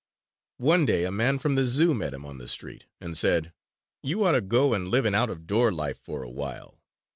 One day a man from the Zoo met him on the street and said: "You ought to go and live an out of door life for a while.